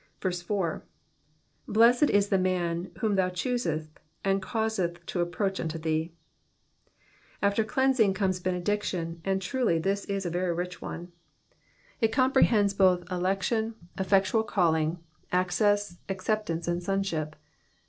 " 4. ^^BleMted u the man whom thou choottest^ and causeft to approach unto thee.'''* After cleansing comes benediction, and truly this is a very rich one. It cono prehends both election, effectual calling, access, acceptance, and sonship.